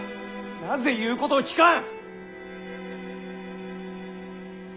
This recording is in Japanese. なぜ言うことを聞かん！